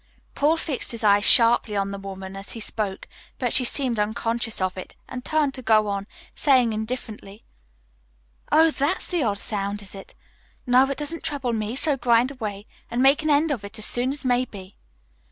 Paul fixed his eyes sharply on the woman as he spoke, but she seemed unconscious of it, and turned to go on, saying indifferently, "Oh, that's the odd sound, is it? No, it doesn't trouble me, so grind away, and make an end of it as soon as may be."